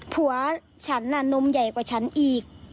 ผัวฉันน่ะนมใหญ่กว่าฉันอีก